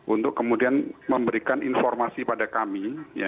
untuk kemudian memberikan informasi pada kami